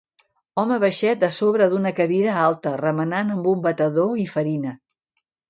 Home baixet a sobre d'una cadira alta remenant amb un batedor i farina.